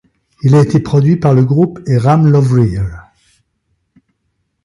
Il a été produit par le groupe et Ram Lauwrier.